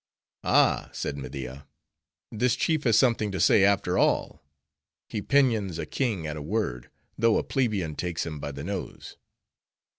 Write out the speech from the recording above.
"Ah," said Media, "this chief has something to say, after all; he pinions a king at a word, though a plebeian takes him by the nose.